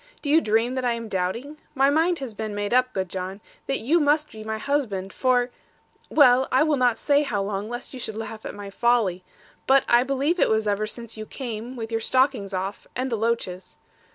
Do you dream that I am doubting? My mind has been made up, good John, that you must be my husband, for well, I will not say how long, lest you should laugh at my folly. But I believe it was ever since you came, with your stockings off, and the loaches.